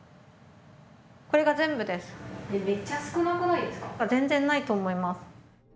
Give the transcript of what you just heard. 全然ないと思います。